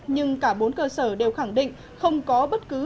nhưng cả bốn cơ sở đều khẳng định không có bất cứ